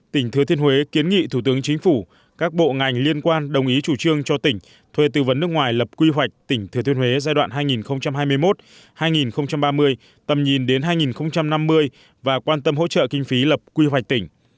tỉnh thừa thiên huế kiến nghị thủ tướng chính phủ các bộ ngành liên quan đồng ý chủ trương cho tỉnh thuê tư vấn nước ngoài lập quy hoạch tỉnh thừa thiên huế giai đoạn hai nghìn hai mươi một hai nghìn ba mươi tầm nhìn đến hai nghìn năm mươi và quan tâm hỗ trợ kinh phí lập quy hoạch tỉnh